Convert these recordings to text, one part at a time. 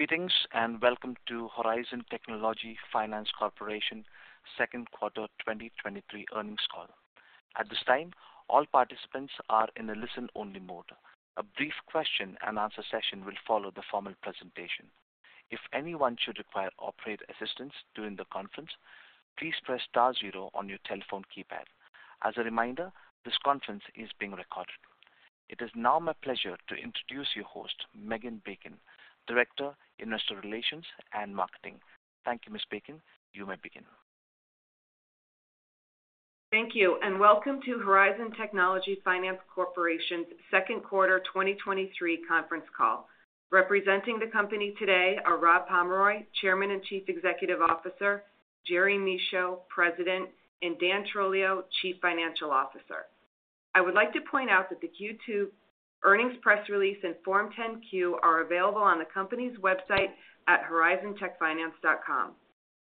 Greetings, welcome to Horizon Technology Finance Corporation Second Quarter 2023 Earnings Call. At this time, all participants are in a listen-only mode. A brief question-and-answer session will follow the formal presentation. If anyone should require operator assistance during the conference, please press star zero on your telephone keypad. As a reminder, this conference is being recorded. It is now my pleasure to introduce your host, Megan Bacon, Director, Investor Relations and Marketing. Thank you, Ms. Bacon. You may begin. Thank you, welcome to Horizon Technology Finance Corporation's second quarter 2023 conference call. Representing the company today are Rob Pomeroy, Chairman and Chief Executive Officer; Gerald Michaud, President; and Dan Troglio, Chief Financial Officer. I would like to point out that the Q2 earnings press release and Form 10-Q are available on the company's website at horizontechfinance.com.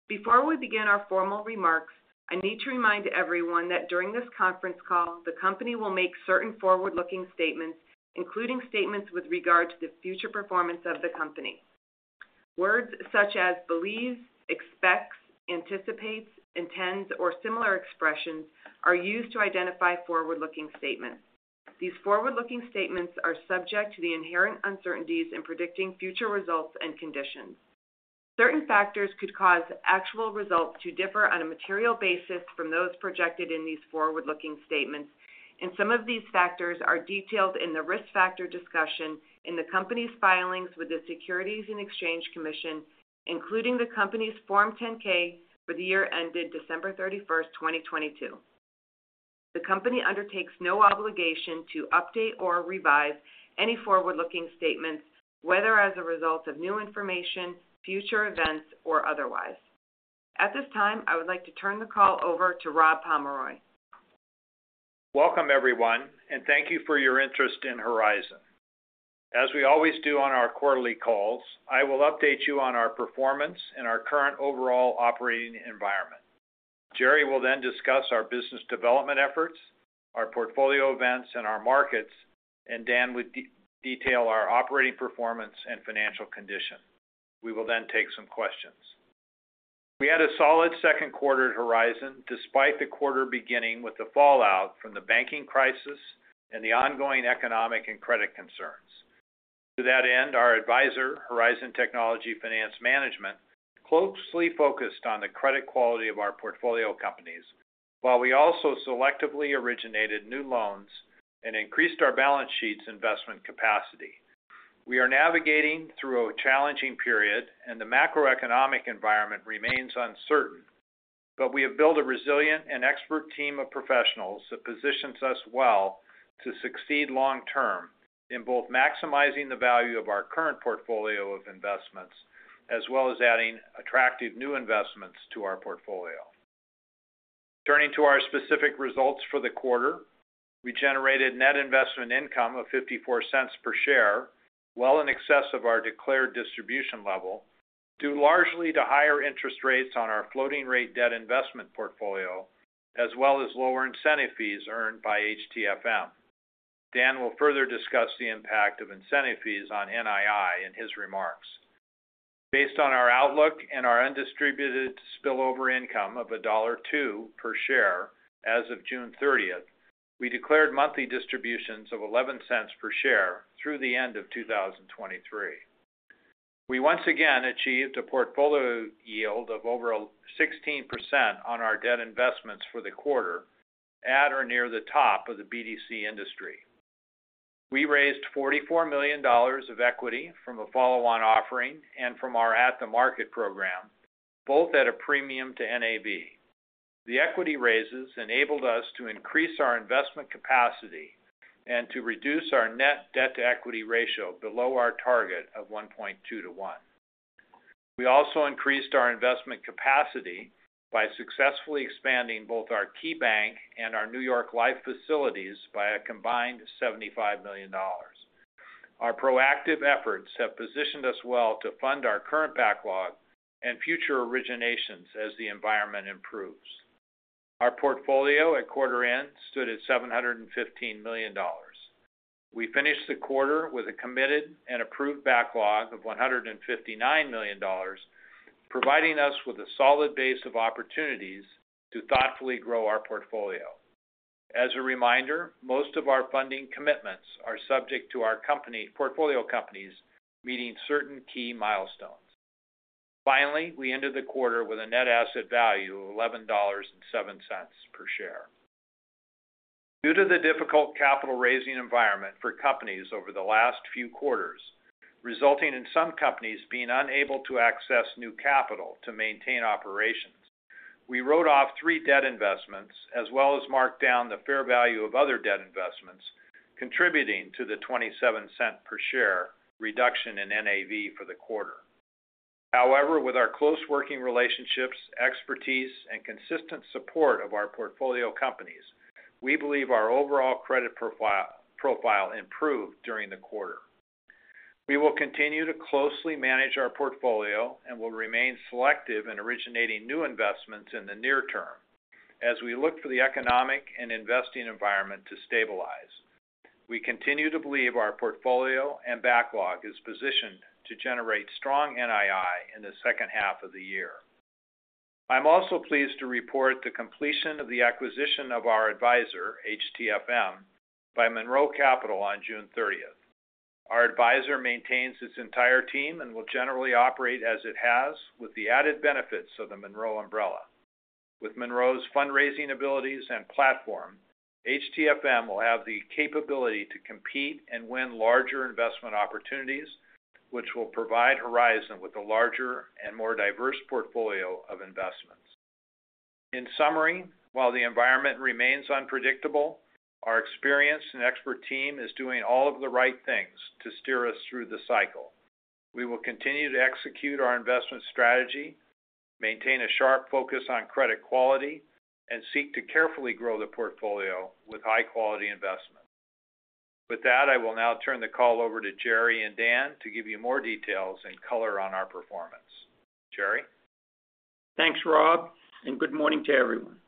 Before we begin our formal remarks, I need to remind everyone that during this conference call, the company will make certain forward-looking statements, including statements with regard to the future performance of the company. Words such as believes, expects, anticipates, intends, or similar expressions are used to identify forward-looking statements. These forward-looking statements are subject to the inherent uncertainties in predicting future results and conditions. Certain factors could cause actual results to differ on a material basis from those projected in these forward-looking statements. Some of these factors are detailed in the risk factor discussion in the company's filings with the Securities and Exchange Commission, including the company's Form 10-K for the year ended 31 December 2022. The company undertakes no obligation to update or revise any forward-looking statements, whether as a result of new information, future events, or otherwise. At this time, I would like to turn the call over to Rob Pomeroy. Welcome, everyone, thank you for your interest in Horizon. As we always do on our quarterly calls, I will update you on our performance and our current overall operating environment. Gerald will then discuss our business development efforts, our portfolio events, and our markets. Dan would detail our operating performance and financial condition. We will then take some questions. We had a solid second quarter at Horizon, despite the quarter beginning with the fallout from the banking crisis and the ongoing economic and credit concerns. To that end, our advisor, Horizon Technology Finance Management, closely focused on the credit quality of our portfolio companies, while we also selectively originated new loans and increased our balance sheet's investment capacity. We are navigating through a challenging period. The macroeconomic environment remains uncertain. We have built a resilient and expert team of professionals that positions us well to succeed long term in both maximizing the value of our current portfolio of investments, as well as adding attractive new investments to our portfolio. Turning to our specific results for the quarter, we generated net investment income of $0.54 per share, well in excess of our declared distribution level, due largely to higher interest rates on our floating-rate debt investment portfolio, as well as lower incentive fees earned by HTFM. Dan will further discuss the impact of incentive fees on NII in his remarks. Based on our outlook and our undistributed spillover income of $1.02 per share as of 30 June we declared monthly distributions of $0.11 per share through the end of 2023. We once again achieved a portfolio yield of over 16% on our debt investments for the quarter, at or near the top of the BDC industry. We raised $44 million of equity from a follow-on offering and from our at-the-market program, both at a premium to NAV. The equity raises enabled us to increase our investment capacity and to reduce our net debt-to-equity ratio below our target of 1.2 to one. We also increased our investment capacity by successfully expanding both our KeyBank and our New York Life facilities by a combined $75 million. Our proactive efforts have positioned us well to fund our current backlog and future originations as the environment improves. Our portfolio at quarter end stood at $715 million. We finished the quarter with a committed and approved backlog of $159 million, providing us with a solid base of opportunities to thoughtfully grow our portfolio. As a reminder, most of our funding commitments are subject to our portfolio companies meeting certain key milestones. We ended the quarter with a net asset value of $11.07 per share. Due to the difficult capital-raising environment for companies over the last few quarters, resulting in some companies being unable to access new capital to maintain operations, we wrote off three debt investments, as well as marked down the fair value of other debt investments, contributing to the $0.27 per share reduction in NAV for the quarter. With our close working relationships, expertise, and consistent support of our portfolio companies, we believe our overall credit profile, profile improved during the quarter. We will continue to closely manage our portfolio and will remain selective in originating new investments in the near term as we look for the economic and investing environment to stabilize. We continue to believe our portfolio and backlog is positioned to generate strong NII in the second half of the year. I'm also pleased to report the completion of the acquisition of our advisor, HTFM, by Monroe Capital on June thirtieth. Our advisor maintains its entire team and will generally operate as it has, with the added benefits of the Monroe umbrella. With Monroe's fundraising abilities and platform, HTFM will have the capability to compete and win larger investment opportunities, which will provide Horizon with a larger and more diverse portfolio of investments. In summary, while the environment remains unpredictable, our experienced and expert team is doing all of the right things to steer us through the cycle. We will continue to execute our investment strategy, maintain a sharp focus on credit quality, and seek to carefully grow the portfolio with high-quality investments. With that, I will now turn the call over to Gerald and Dan to give you more details and color on our performance. Gerald? Thanks, Rob, and good morning to everyone.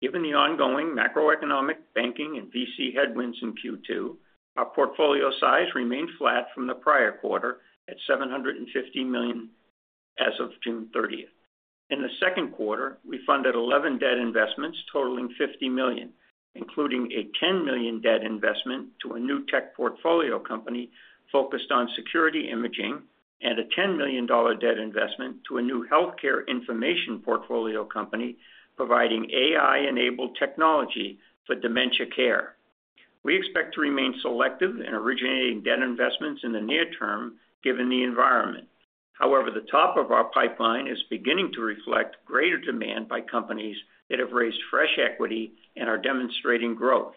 Given the ongoing macroeconomic, banking, and VC headwinds in Q2, our portfolio size remained flat from the prior quarter at $750 million as of 30th June. In the second quarter, we funded 11 debt investments totaling $50 million, including a $10 million debt investment to a new tech portfolio company focused on security imaging, and a $10 million debt investment to a new healthcare information portfolio company providing AI-enabled technology for dementia care. We expect to remain selective in originating debt investments in the near term, given the environment. However, the top of our pipeline is beginning to reflect greater demand by companies that have raised fresh equity and are demonstrating growth.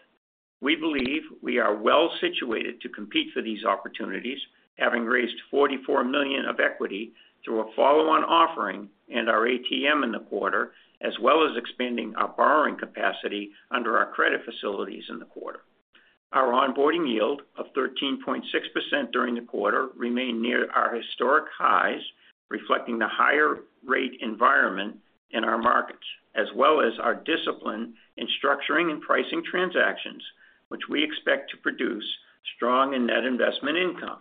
We believe we are well situated to compete for these opportunities, having raised $44 million of equity through a follow-on offering and our ATM in the quarter, as well as expanding our borrowing capacity under our credit facilities in the quarter. Our onboarding yield of 13.6% during the quarter remained near our historic highs, reflecting the higher rate environment in our markets, as well as our discipline in structuring and pricing transactions, which we expect to produce strong and net investment income.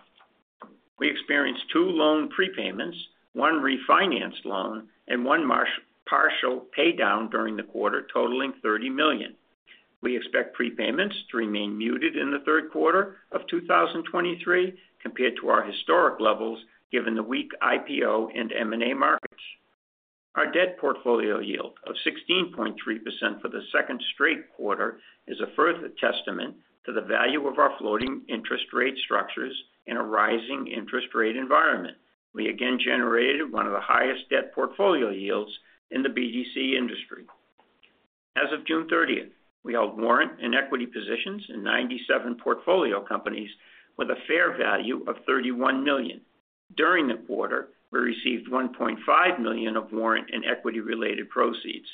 We experienced two loan prepayments, one refinanced loan, and one partial paydown during the quarter, totaling $30 million. We expect prepayments to remain muted in the third quarter of 2023 compared to our historic levels, given the weak IPO and M&A markets. Our debt portfolio yield of 16.3% for the second straight quarter is a further testament to the value of our floating interest rate structures in a rising interest rate environment. We again generated one of the highest debt portfolio yields in the BDC industry. As of 30 June we held warrant and equity positions in 97 portfolio companies with a fair value of $31 million. During the quarter, we received $1.5 million of warrant and equity-related proceeds.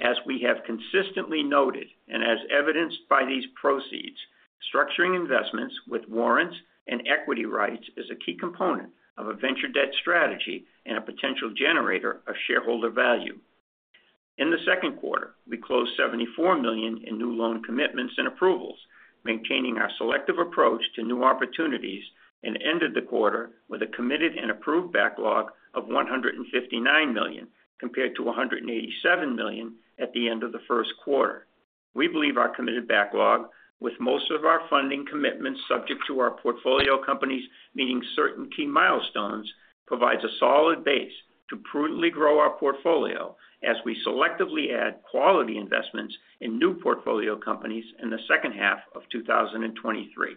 As we have consistently noted, and as evidenced by these proceeds, structuring investments with warrants and equity rights is a key component of a venture debt strategy and a potential generator of shareholder value. In the second quarter, we closed $74 million in new loan commitments and approvals, maintaining our selective approach to new opportunities, and ended the quarter with a committed and approved backlog of $159 million, compared to $187 million at the end of the first quarter. We believe our committed backlog, with most of our funding commitments subject to our portfolio companies meeting certain key milestones, provides a solid base to prudently grow our portfolio as we selectively add quality investments in new portfolio companies in the second half of 2023.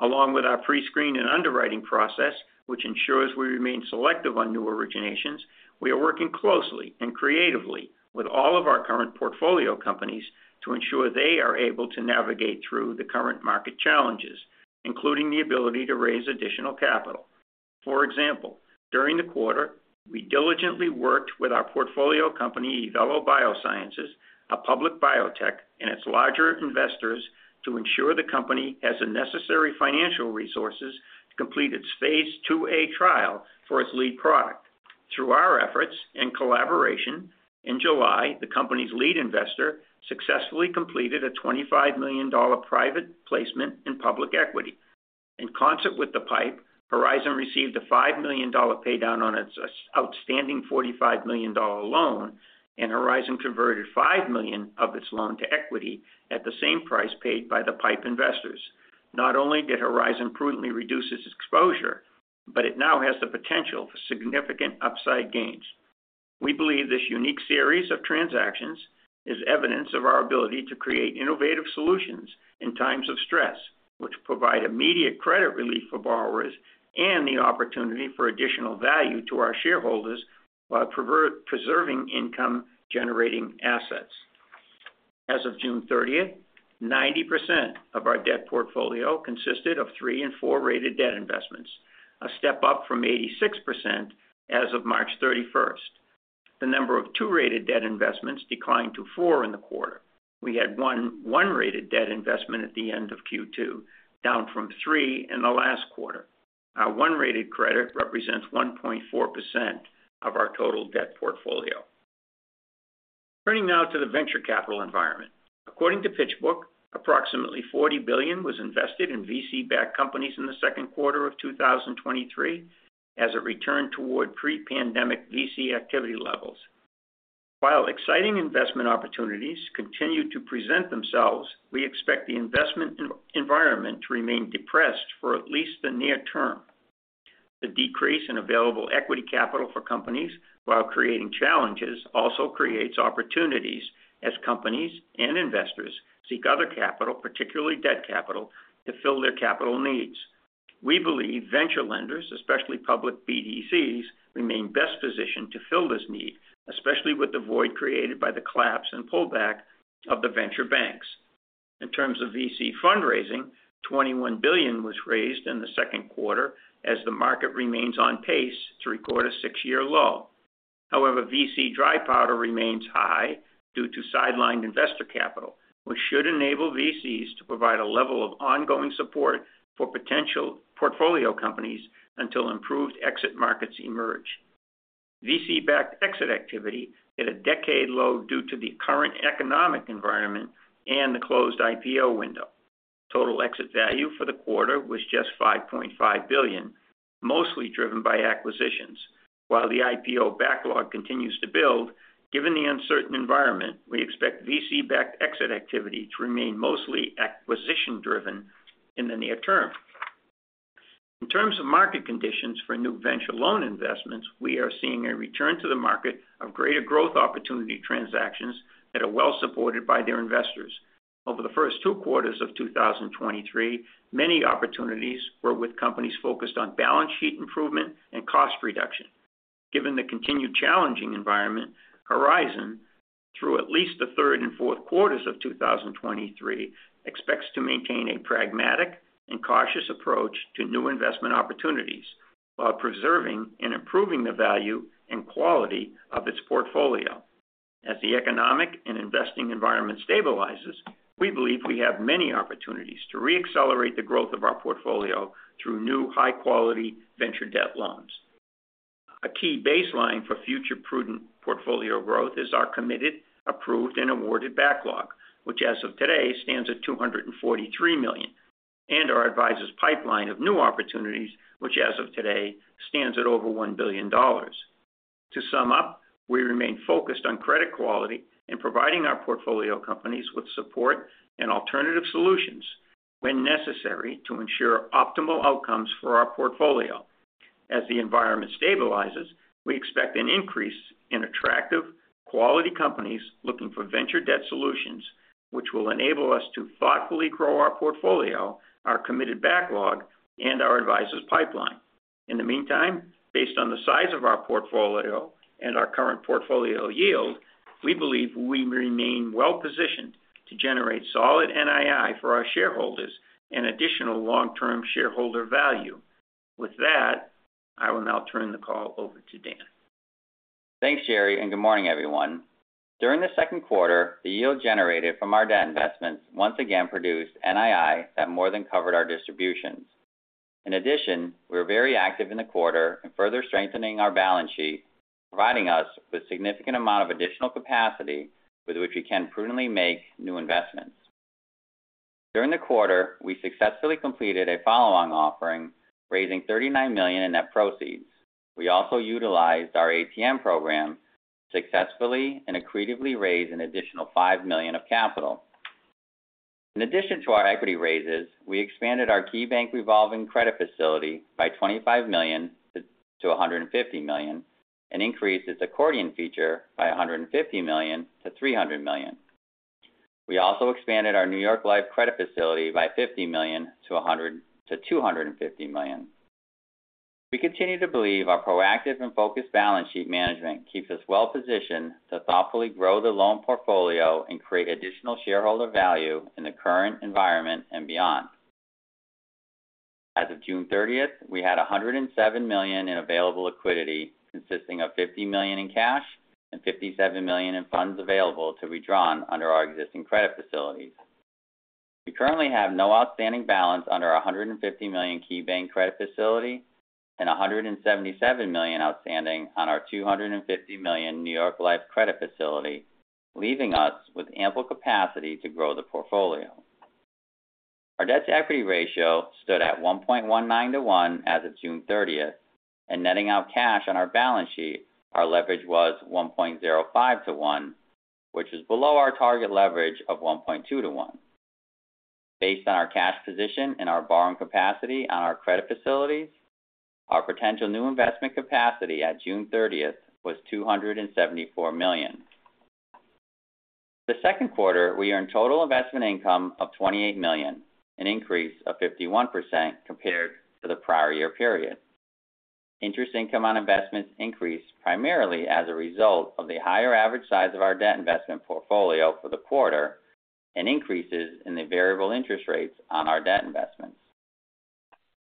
Along with our pre-screen and underwriting process, which ensures we remain selective on new originations, we are working closely and creatively with all of our current portfolio companies to ensure they are able to navigate through the current market challenges, including the ability to raise additional capital. For example, during the quarter, we diligently worked with our portfolio company, Evelo Biosciences, a public biotech, and its larger investors to ensure the company has the necessary financial resources to complete its phase IIa trial for its lead product. Through our efforts and collaboration, in July, the company's lead investor successfully completed a $25 million private placement in public equity. In concert with the PIPE, Horizon received a $5 million paydown on its outstanding $45 million loan, and Horizon converted $5 million of its loan to equity at the same price paid by the PIPE investors. Not only did Horizon prudently reduce its exposure, but it now has the potential for significant upside gains. We believe this unique series of transactions is evidence of our ability to create innovative solutions in times of stress, which provide immediate credit relief for borrowers and the opportunity for additional value to our shareholders while preserving income-generating assets. As of 30th June 90% of our debt portfolio consisted of three and four rated debt investments, a step up from 86% as of 31st March. The number of 2-rated debt investments declined to four in the quarter. We had one, one rated debt investment at the end of Q2, down from three in the last quarter. Our one rated credit represents 1.4% of our total debt portfolio. Turning now to the venture capital environment. According to PitchBook, approximately $40 billion was invested in VC-backed companies in the second quarter of 2023, as it returned toward pre-pandemic VC activity levels. While exciting investment opportunities continue to present themselves, we expect the investment environment to remain depressed for at least the near term. The decrease in available equity capital for companies, while creating challenges, also creates opportunities as companies and investors seek other capital, particularly debt capital, to fill their capital needs. We believe venture lenders, especially public BDCs, remain best positioned to fill this need, especially with the void created by the collapse and pullback of the venture banks. In terms of VC fundraising, $21 billion was raised in the second quarter as the market remains on pace to record a six year low. However, VC dry powder remains high due to sidelined investor capital, which should enable VCs to provide a level of ongoing support for potential portfolio companies until improved exit markets emerge. VC-backed exit activity hit a decade low due to the current economic environment and the closed IPO window. Total exit value for the quarter was just $5.5 billion, mostly driven by acquisitions. While the IPO backlog continues to build, given the uncertain environment, we expect VC-backed exit activity to remain mostly acquisition-driven in the near term. In terms of market conditions for new venture loan investments, we are seeing a return to the market of greater growth opportunity transactions that are well supported by their investors. Over the first two quarters of 2023, many opportunities were with companies focused on balance sheet improvement and cost reduction. Given the continued challenging environment, Horizon, through at least the third and fourth quarters of 2023, expects to maintain a pragmatic and cautious approach to new investment opportunities while preserving and improving the value and quality of its portfolio. As the economic and investing environment stabilizes, we believe we have many opportunities to reaccelerate the growth of our portfolio through new, high-quality venture debt loans. A key baseline for future prudent portfolio growth is our committed, approved, and awarded backlog, which, as of today, stands at $243 million, and our advisor's pipeline of new opportunities, which, as of today, stands at over $1 billion. To sum up, we remain focused on credit quality and providing our portfolio companies with support and alternative solutions when necessary to ensure optimal outcomes for our portfolio. As the environment stabilizes, we expect an increase in attractive, quality companies looking for venture debt solutions, which will enable us to thoughtfully grow our portfolio, our committed backlog, and our advisors' pipeline. In the meantime, based on the size of our portfolio and our current portfolio yield, we believe we remain well positioned to generate solid NII for our shareholders and additional long-term shareholder value. With that, I will now turn the call over to Dan. Thanks, Gerald, good morning, everyone. During the second quarter, the yield generated from our debt investments once again produced NII that more than covered our distributions. In addition, we were very active in the quarter in further strengthening our balance sheet, providing us with significant amount of additional capacity with which we can prudently make new investments. During the quarter, we successfully completed a follow-on offering, raising $39 million in net proceeds. We also utilized our ATM program to successfully and accretively raise an additional $5 million of capital. In addition to our equity raises, we expanded our KeyBank revolving credit facility by $25 million to $150 million, and increased its accordion feature by $150 million to $300 million. We also expanded our New York Life credit facility by $50 million to $250 million. We continue to believe our proactive and focused balance sheet management keeps us well positioned to thoughtfully grow the loan portfolio and create additional shareholder value in the current environment and beyond. As of 30 June we had $107 million in available liquidity, consisting of $50 million in cash and $57 million in funds available to be drawn under our existing credit facilities. We currently have no outstanding balance under our $150 million KeyBank credit facility and $177 million outstanding on our $250 million New York Life credit facility, leaving us with ample capacity to grow the portfolio. Our debt-to-equity ratio stood at 1.19 to one as of 30 June and netting out cash on our balance sheet, our leverage was 1.05 to one, which is below our target leverage of 1.2 to one. Based on our cash position and our borrowing capacity on our credit facilities, our potential new investment capacity at 30 June was $274 million. The second quarter, we earned total investment income of $28 million, an increase of 51% compared to the prior year period. Interest income on investments increased primarily as a result of the higher average size of our debt investment portfolio for the quarter and increases in the variable interest rates on our debt investments.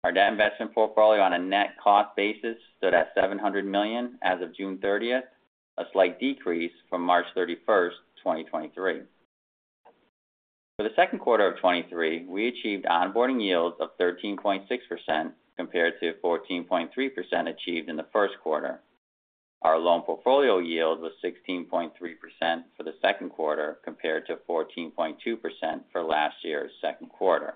Our debt investment portfolio on a net cost basis stood at $700 million as of 30 June a slight decrease from 31 March 2023. For the second quarter of 2023, we achieved onboarding yields of 13.6% compared to 14.3% achieved in the first quarter. Our loan portfolio yield was 16.3% for the second quarter, compared to 14.2% for last year's second quarter.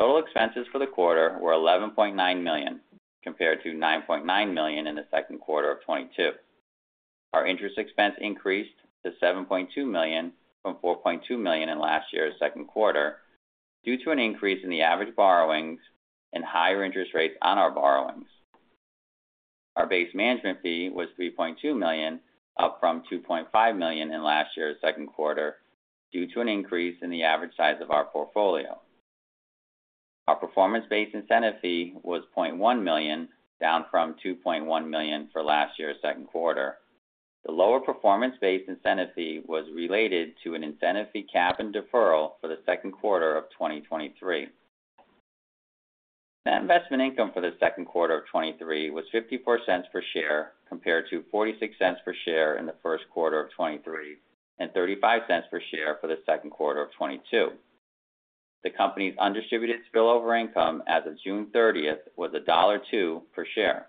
Total expenses for the quarter were $11.9 million, compared to $9.9 million in the second quarter of 2022. Our interest expense increased to $7.2 million, from $4.2 million in last year's second quarter, due to an increase in the average borrowings and higher interest rates on our borrowings. Our base management fee was $3.2 million, up from $2.5 million in last year's second quarter, due to an increase in the average size of our portfolio. Our performance-based incentive fee was $0.1 million, down from $2.1 million for last year's second quarter. The lower performance-based incentive fee was related to an incentive fee cap and deferral for the second quarter of 2023. Net investment income for the second quarter of 2023 was $0.54 per share, compared to $0.46 per share in the first quarter of 2023, and $0.35 per share for the second quarter of 2022. The company's undistributed spillover income as of 30 June was $1.02 per share.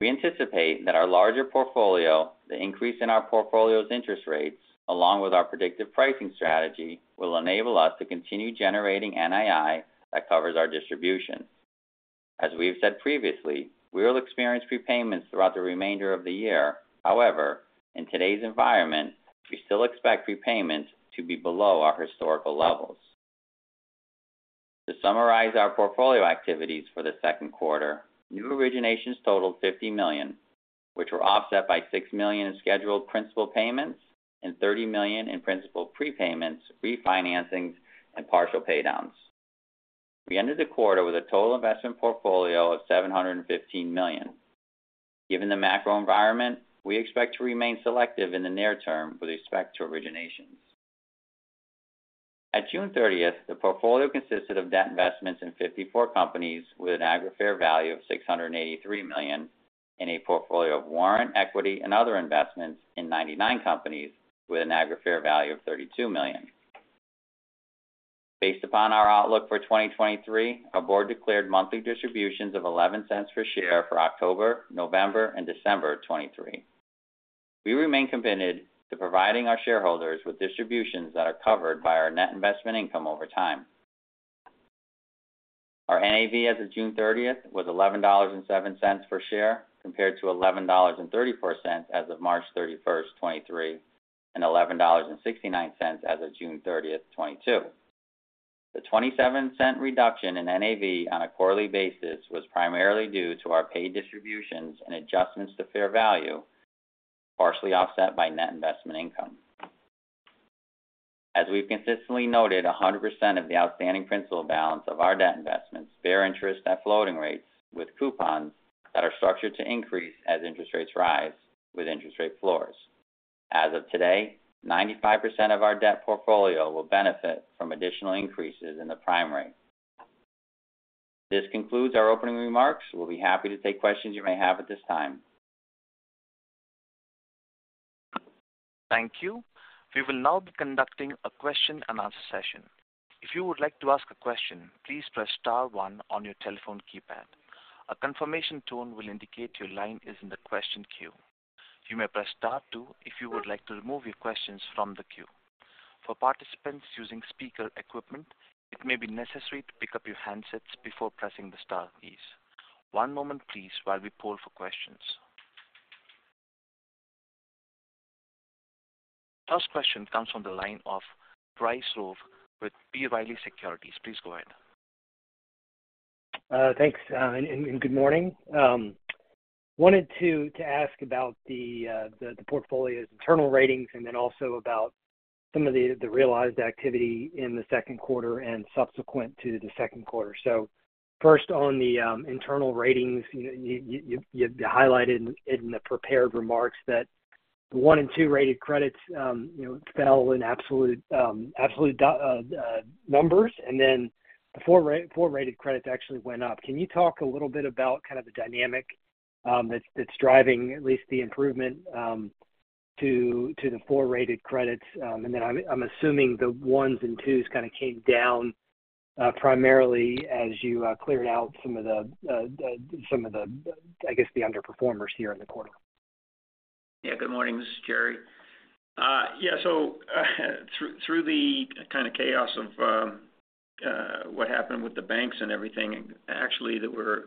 We anticipate that our larger portfolio, the increase in our portfolio's interest rates, along with our predictive pricing strategy, will enable us to continue generating NII that covers our distribution. As we've said previously, we will experience prepayments throughout the remainder of the year. In today's environment, we still expect prepayments to be below our historical levels. To summarize our portfolio activities for the second quarter, new originations totaled $50 million, which were offset by $6 million in scheduled principal payments and $30 million in principal prepayments, refinancings, and partial paydowns. We ended the quarter with a total investment portfolio of $715 million. Given the macro environment, we expect to remain selective in the near term with respect to originations. At 30 June the portfolio consisted of debt investments in 54 companies with an aggregate fair value of $683 million, and a portfolio of warrant, equity, and other investments in 99 companies with an aggregate fair value of $32 million. Based upon our outlook for 2023, our board declared monthly distributions of $0.11 per share for October, November, and December of 2023. We remain committed to providing our shareholders with distributions that are covered by our net investment income over time. Our NAV as of 30 June was $11.07 per share, compared to $11.34 as of 31 March 2023, and $11.69 as of 30 June 2022. The $0.27 reduction in NAV on a quarterly basis was primarily due to our paid distributions and adjustments to fair value, partially offset by net investment income. As we've consistently noted, 100% of the outstanding principal balance of our debt investments bear interest at floating rates, with coupons that are structured to increase as interest rates rise with interest rate floors. As of today, 95% of our debt portfolio will benefit from additional increases in the prime rate. This concludes our opening remarks. We'll be happy to take questions you may have at this time. Thank you. We will now be conducting a question-and-answer session. If you would like to ask a question, please press star one on your telephone keypad. A confirmation tone will indicate your line is in the question queue. You may press star two if you would like to remove your questions from the queue. For participants using speaker equipment, it may be necessary to pick up your handsets before pressing the star keys. One moment please while we poll for questions. First question comes from the line of Bryce Rowe with B. Riley Securities. Please go ahead. Thanks, and good morning. Wanted to ask about the portfolio's internal ratings and then also about some of the realized activity in the second quarter and subsequent to the second quarter. First, on the internal ratings you highlighted in the prepared remarks that the one and two rated credits, you know, fell in absolute absolute numbers, and then the four rated credits actually went up. Can you talk a little bit about kind of the dynamic that's driving at least the improvement to the four rated credits? I'm assuming the 1s and 2s kind of came down primarily as you cleared out some of the some of the, I guess, the underperformers here in the quarter. Yeah. Good morning, this is Gerald. Yeah, through, through the kind of chaos of what happened with the banks and everything, actually, there were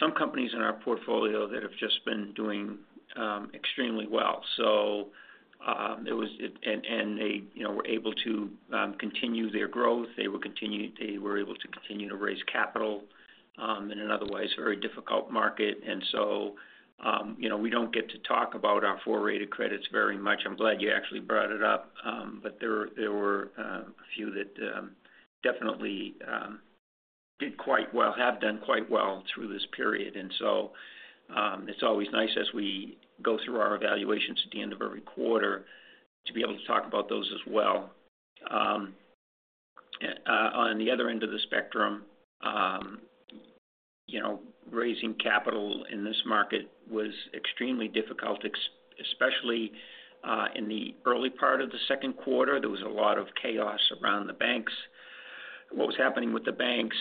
some companies in our portfolio that have just been doing extremely well. It was, and they, you know, were able to continue their growth. They were able to continue to raise capital in an otherwise very difficult market. You know, we don't get to talk about our four-rated credits very much. I'm glad you actually brought it up. There, there were a few that definitely did quite well, have done quite well through this period. It's always nice as we go through our evaluations at the end of every quarter, to be able to talk about those as well. On the other end of the spectrum, you know, raising capital in this market was extremely difficult, especially in the early part of the second quarter. There was a lot of chaos around the banks. What was happening with the banks,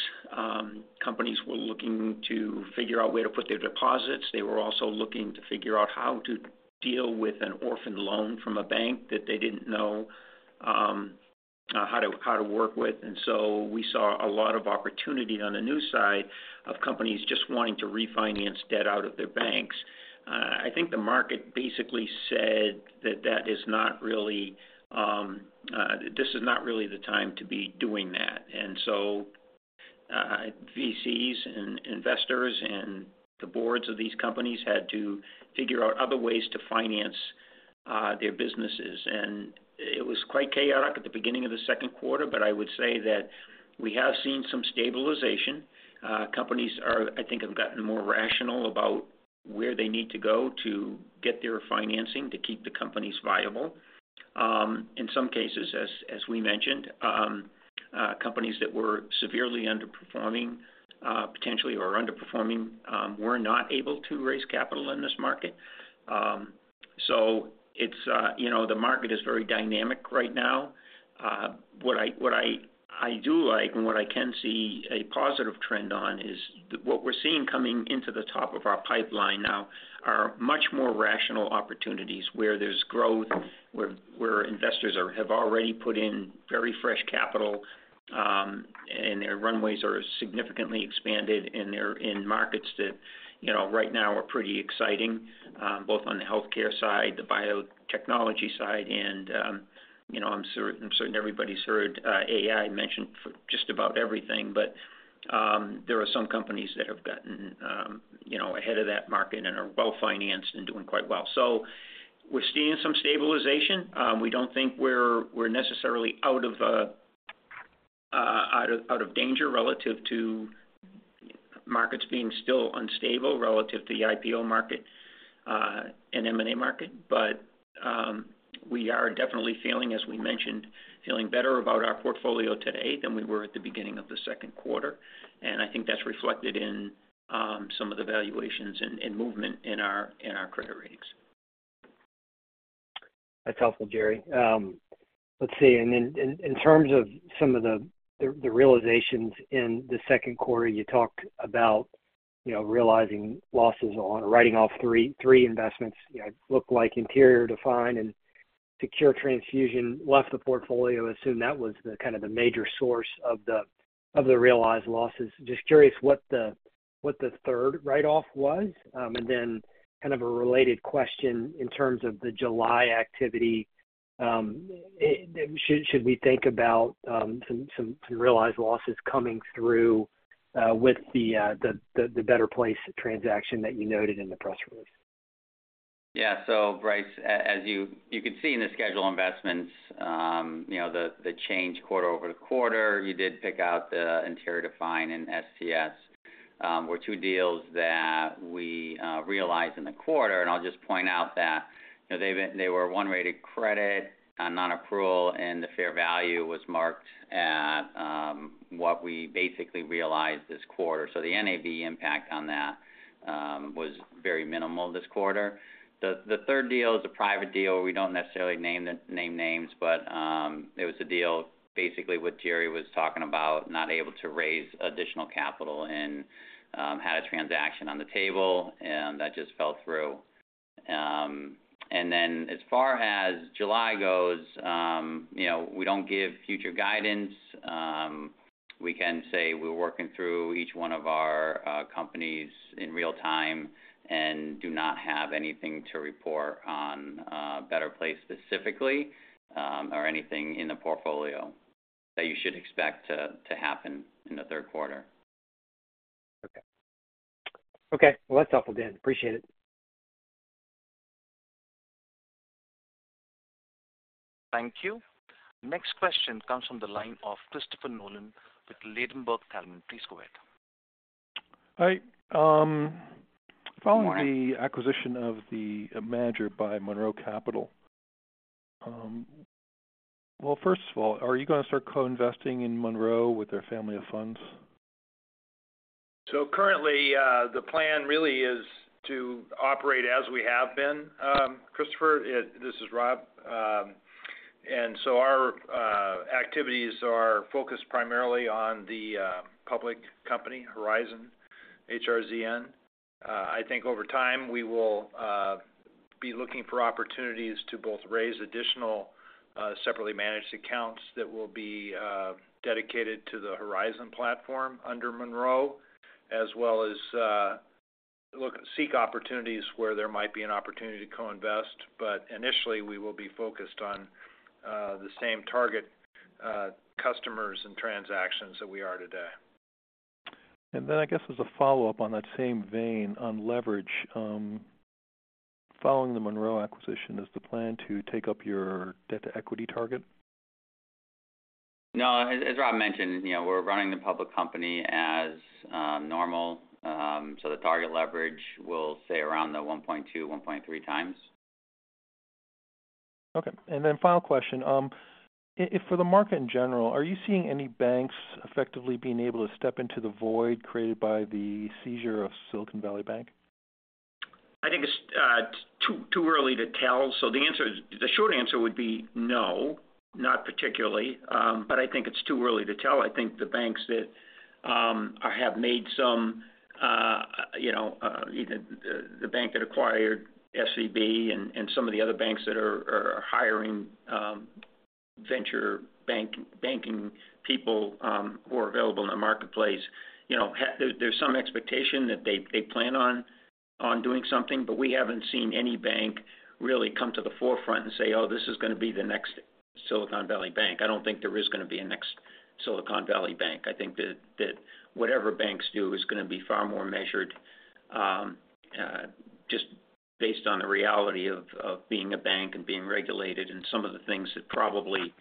companies were looking to figure out where to put their deposits. They were also looking to figure out how to deal with an orphaned loan from a bank that they didn't know how to, how to work with. So we saw a lot of opportunity on the new side of companies just wanting to refinance debt out of their banks. I think the market basically said that that is not really, this is not really the time to be doing that. VCs and investors and the boards of these companies had to figure out other ways to finance, their businesses. It was quite chaotic at the beginning of the second quarter, but I would say that we have seen some stabilization. Companies, I think, have gotten more rational about where they need to go to get their financing to keep the companies viable. In some cases, as, as we mentioned, companies that were severely underperforming, potentially or underperforming, were not able to raise capital in this market. It's, you know, the market is very dynamic right now. What I, what I do like, and what I can see a positive trend on, is what we're seeing coming into the top of our pipeline now are much more rational opportunities where there's growth, where, where investors are have already put in very fresh capital, and their runways are significantly expanded, and they're in markets that, you know, right now are pretty exciting, both on the healthcare side, the biotechnology side, and I'm sure I'm certain everybody's heard AI mentioned for just about everything. There are some companies that have gotten ahead of that market and are well-financed and doing quite well. We're seeing some stabilization. We don't think we're necessarily out of danger relative to markets being still unstable relative to the IPO market and M&A market. We are definitely feeling, as we mentioned, feeling better about our portfolio today than we were at the beginning of the second quarter, and I think that's reflected in some of the valuations and, and movement in our credit ratings. That's helpful, Gerald. Let's see. Then in, in terms of some of the realizations in the second quarter, you talked about, you know, realizing losses on writing off three investments. You know, it looked like Interior Define and Secure Transfusion left the portfolio. I assume that was the kind of the major source of the, of the realized losses. Just curious what the, what the third write-off was. Then kind of a related question in terms of the July activity, should, should we think about, some, some, some realized losses coming through, with the Better Place transaction that you noted in the press release? Yeah. So, Bryce, as you, you could see in the schedule investments, you know, the change quarter over quarter, you did pick out the Interior Define and STS were two deals that we realized in the quarter. I'll just point out that, you know, they were one rated credit, nonapproval, and the fair value was marked at what we basically realized this quarter. The NAV impact on that was very minimal this quarter. The third deal is a private deal. We don't necessarily name names, but it was a deal basically what Gerald was talking about, not able to raise additional capital and had a transaction on the table, and that just fell through. Then as far as July goes, you know, we don't give future guidance. We can say we're working through each one of our companies in real time and do not have anything to report on Better Place specifically, or anything in the portfolio that you should expect to happen in the third quarter. Okay. Okay, well, that's helpful, Dan. Appreciate it. Thank you. Next question comes from the line of Christopher Nolan with Ladenburg Thalmann. Please go ahead. Hi, following the acquisition of the manager by Monroe Capital, Well, first of all, are you going to start co-investing in Monroe with their family of funds? Currently, the plan really is to operate as we have been, Christopher. This is Rob. Our activities are focused primarily on the public company, Horizon, HRZN. I think over time, we will be looking for opportunities to both raise additional separately managed accounts that will be dedicated to the Horizon platform under Monroe, as well as look and seek opportunities where there might be an opportunity to co-invest. Initially, we will be focused on the same target customers and transactions that we are today. Then I guess as a follow-up on that same vein, on leverage, following the Monroe acquisition, is the plan to take up your debt-to-equity target? No, as, as Rob mentioned, you know, we're running the public company as normal. So the target leverage will stay around the 1.2, 1.3 times. Okay, and then final question. For the market in general, are you seeing any banks effectively being able to step into the void created by the seizure of Silicon Valley Bank? I think it's too, too early to tell. The answer is the short answer would be no, not particularly. I think it's too early to tell. I think the banks that have made some, you know, the bank that acquired SVB and some of the other banks that are hiring venture banking people who are available in the marketplace. You know, there's, there's some expectation that they, they plan on, on doing something, but we haven't seen any bank really come to the forefront and say: Oh, this is going to be the next Silicon Valley Bank. I don't think there is going to be a next Silicon Valley Bank. I think that, that whatever banks do is going to be far more measured, just based on the reality of, of being a bank and being regulated and some of the things that probably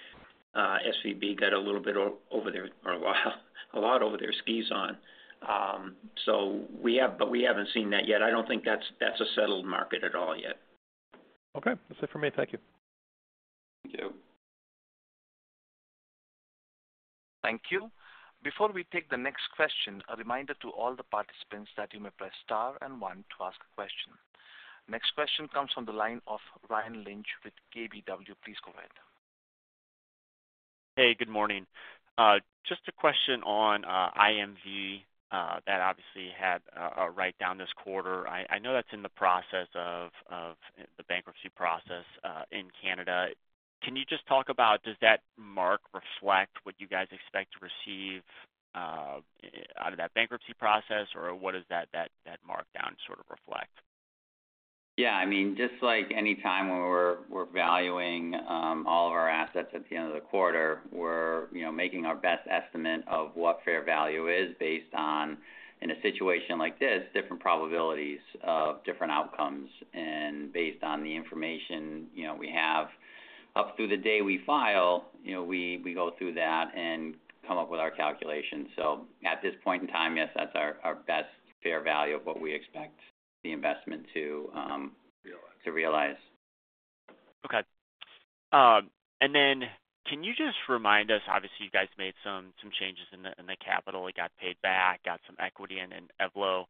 SVB got a little bit over their or a lot over their skis on. We have, but we haven't seen that yet. I don't think that's, that's a settled market at all yet. Okay. That's it for me. Thank you. Thank you. Thank you. Before we take the next question, a reminder to all the participants that you may press Star and One to ask a question. Next question comes from the line of Ryan Lynch with KBW. Please go ahead. Hey, good morning. Just a question on IMV that obviously had a write-down this quarter. I know that's in the process of the bankruptcy process in Canada. Can you just talk about, does that mark reflect what you guys expect to receive out of that bankruptcy process? Or what does that markdown sort of reflect? Yeah, I mean, just like any time when we're valuing, all of our assets at the end of the quarter, we're, you know, making our best estimate of what fair value is based on, in a situation like this, different probabilities of different outcomes. Based on the information, you know, we have up through the day we file, you know, we, we go through that and come up with our calculations. At this point in time, yes, that's our, our best fair value of what we expect the investment to To realize. to realize. Okay. Can you just remind us, obviously, you guys made some changes in the capital. It got paid back, got some equity in Evelo.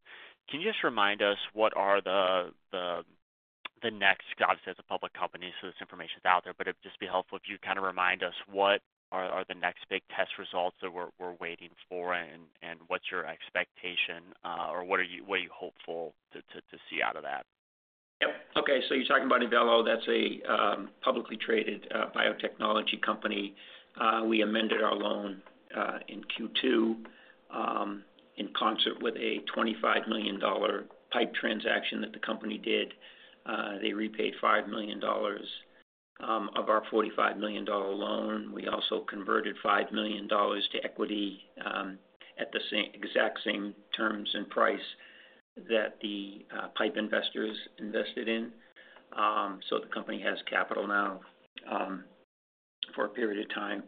Can you just remind us what are the next, obviously, as a public company, so this information is out there, but it would just be helpful if you kind of remind us what are the next big test results that we're waiting for and what's your expectation, or what are you hopeful to see out of that? Yep. Okay, so you're talking about Evelo. That's a publicly traded biotechnology company. We amended our loan in Q2 in concert with a $25 million PIPE transaction that the company did. They repaid $5 million of our $45 million loan. We also converted $5 million to equity at the same, exact same terms and price that the PIPE investors invested in. The company has capital now for a period of time.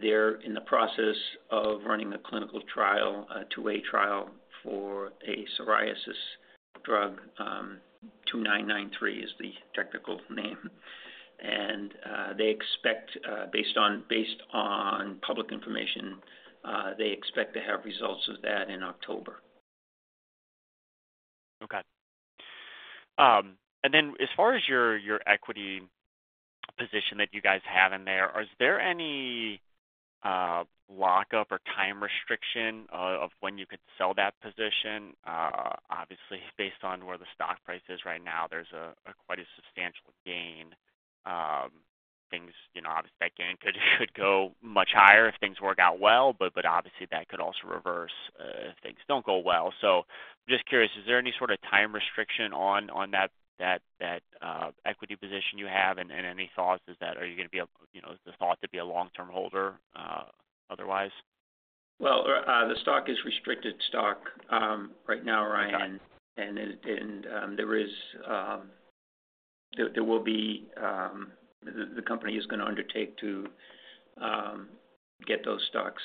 They're in the process of running a clinical trial, a two-way trial for a psoriasis drug. Two nine nine three is the technical name. They expect, based on, based on public information, they expect to have results of that in October. Okay. Then as far as your equity position that you guys have in there, is there any lockup or time restriction of when you could sell that position? Obviously, based on where the stock price is right now, there's a quite a substantial gain. Things, you know, obviously, that gain could, could go much higher if things work out well, but obviously, that could also reverse if things don't go well. I'm just curious, is there any sort of time restriction on that equity position you have? Any thoughts, is that are you going to be a, you know, the thought to be a long-term holder, otherwise? Well, the stock is restricted stock, right now, Ryan. Okay. there is, there, there will be, the, the company is going to undertake to, get those stocks.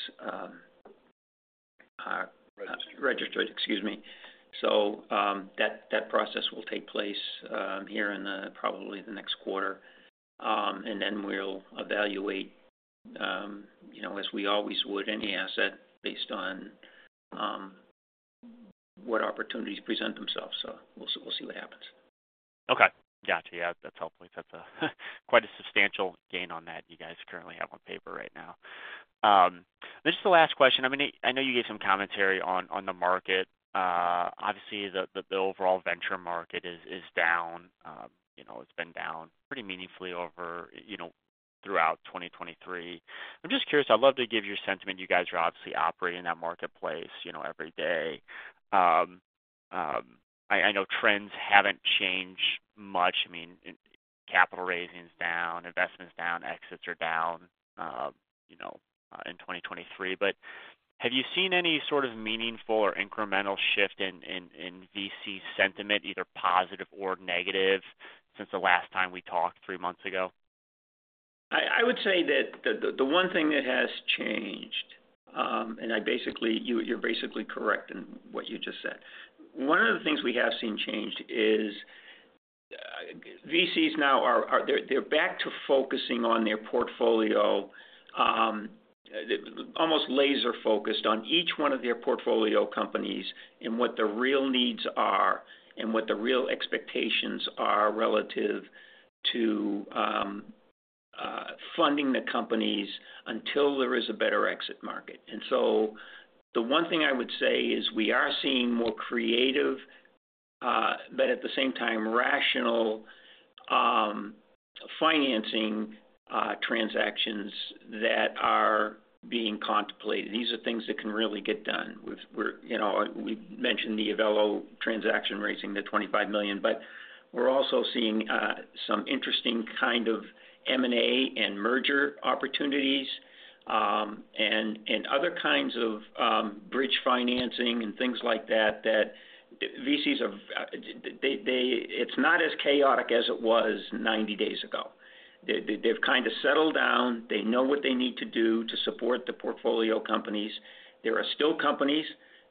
Registered. registered, excuse me. That, that process will take place, here in the probably the next quarter. We'll evaluate, you know, as we always would any asset based on, what opportunities present themselves. We'll, we'll see what happens. Okay. Got you. Yeah, that's helpful. That's a quite a substantial gain on that you guys currently have on paper right now. This is the last question. I mean, I know you gave some commentary on the market. Obviously, the overall venture market is down. You know, it's been down pretty meaningfully over, you know, throughout 2023. I'm just curious, I'd love to give your sentiment. You guys are obviously operating in that marketplace, you know, every day. I know trends haven't changed much. I mean, capital raising is down, investments down, exits are down, you know, in 2023. Have you seen any sort of meaningful or incremental shift in VC sentiment, either positive or negative, since the last time we talked three months ago? I would say that the one thing that has changed, I basically, you're basically correct in what you just said. One of the things we have seen changed is VCs now are they're back to focusing on their portfolio, almost laser-focused on each one of their portfolio companies and what the real needs are and what the real expectations are relative to funding the companies until there is a better exit market. So the one thing I would say is we are seeing more creative, but at the same time, rational, financing, transactions that are being contemplated. These are things that can really get done, which we're, you know, we mentioned the Evelo transaction, raising the $25 million. We're also seeing some interesting kind of M&A and merger opportunities, and, and other kinds of bridge financing and things like that, that VCs are. It's not as chaotic as it was 90 days ago. They, they, they've kinda settled down. They know what they need to do to support the portfolio companies. There are still companies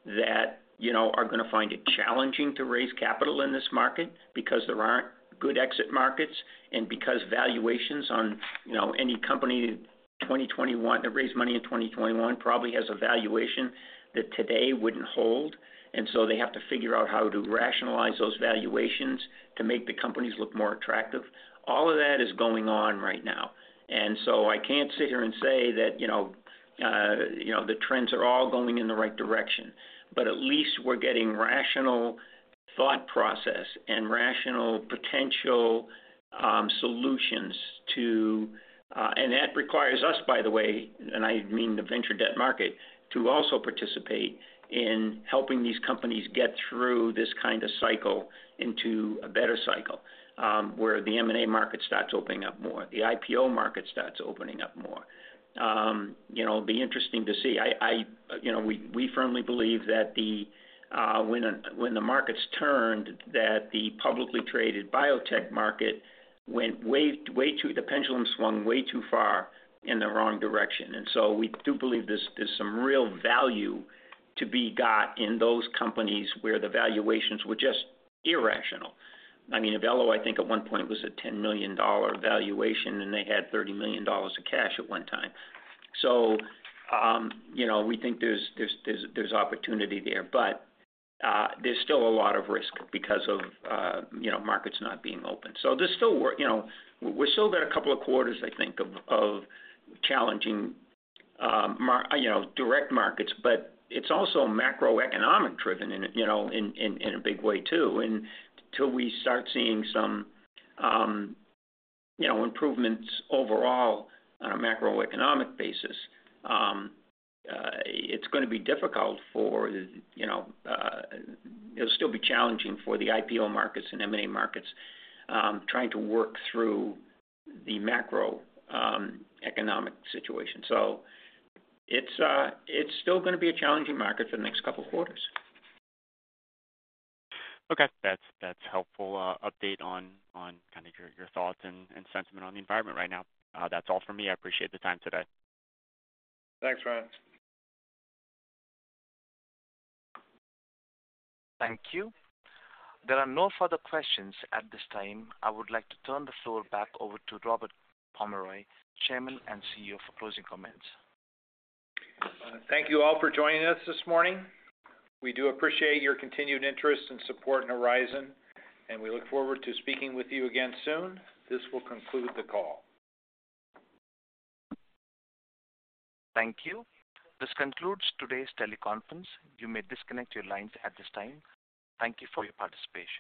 that, you know, are gonna find it challenging to raise capital in this market because there aren't good exit markets, and because valuations on, you know, any company in 2021, that raised money in 2021, probably has a valuation that today wouldn't hold. They have to figure out how to rationalize those valuations to make the companies look more attractive. All of that is going on right now. I can't sit here and say that you know, the trends are all going in the right direction, but at least we're getting rational thought process and rational potential solutions to. That requires us, by the way, and I mean, the venture debt market, to also participate in helping these companies get through this kind of cycle into a better cycle, where the M&A market starts opening up more, the IPO market starts opening up more. You know, it'll be interesting to see. I you know, we firmly believe that when, when the markets turned, that the publicly traded biotech market went way too the pendulum swung way too far in the wrong direction. We do believe there's, there's some real value to be got in those companies where the valuations were just irrational. I mean, Evelo, I think, at one point, was a $10 million valuation, and they had $30 million of cash at one time. You know, we think there's, there's, there's, there's opportunity there, but there's still a lot of risk because of, you know, markets not being open. There's still work. You know, we've still got a couple of quarters, I think, of, of challenging, you know, direct markets, but it's also macroeconomic-driven in a big way, too. Till we start seeing some, you know, improvements overall on a macroeconomic basis, it's gonna be difficult for, you know. It'll still be challenging for the IPO markets and M&A markets, trying to work through the macroeconomic situation. It's, it's still gonna be a challenging market for the next couple of quarters. Okay. That's, that's helpful, update on, on kind of your, your thoughts and, and sentiment on the environment right now. That's all for me. I appreciate the time today. Thanks, Ryan. Thank you. There are no further questions at this time. I would like to turn the floor back over to Robert Pomeroy, Chairman and CEO, for closing comments. Thank you all for joining us this morning. We do appreciate your continued interest and support in Horizon, and we look forward to speaking with you again soon. This will conclude the call. Thank you. This concludes today's teleconference. You may disconnect your lines at this time. Thank you for your participation.